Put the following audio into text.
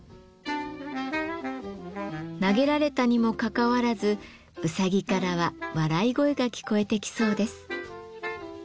投げられたにもかかわらずうさぎからは笑い声が聞こえてきそうです。